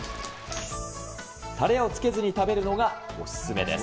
たれをつけずに食べるのが、お勧めです。